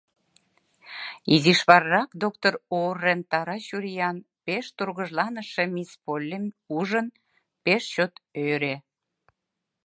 Изиш варарак доктыр Уоррен тарай чуриян, пеш тургыжланыше мисс Поллим ужын, пеш чот ӧрӧ.